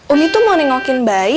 umi tuh mau nengokin bayi